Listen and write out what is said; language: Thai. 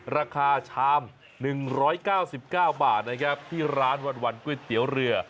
ราคาชาม๑๙๙บาทนะครับที่ร้านวันก๋วยเตี๋ยวเรือ